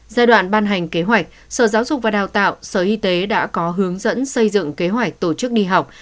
giai đoạn ban hành kế hoạch sở giáo dục và đào tạo sở y tế đã có hướng dẫn xây dựng kế hoạch tổ chức đi học